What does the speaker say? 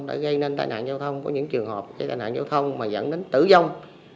đã gây nên tai nạn giao thông của những trường hợp cái tai nạn giao thông mà dẫn đến tử vong